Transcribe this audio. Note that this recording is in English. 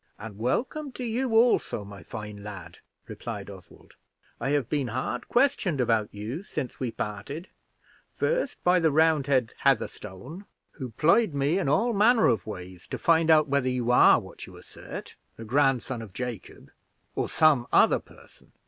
"And welcome to you also, my fine lad," replied Oswald. "I have been hard questioned about you since we parted first by the Roundhead Heatherstone, who plied me in all manner of ways to find out whether you are what you assert, the grandson of Jacob or some other person.